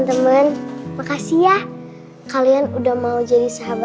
aku padahal bikin abang diang